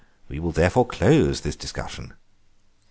We will therefore close this discussion."